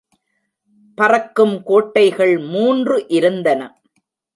பறக்கும் கோட்டைகள் மூன்று இருந்தன.